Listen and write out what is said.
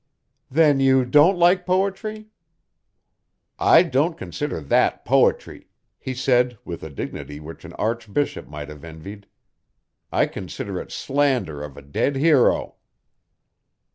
"Then you don't like poetry?" "I don't consider that poetry," he said with a dignity which an archbishop might have envied. "I consider it slander of a dead hero."